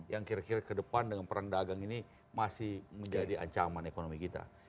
yang kira kira ke depan dengan perang dagang ini masih menjadi ancaman ekonomi kita